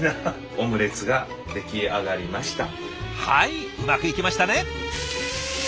はいうまくいきましたね。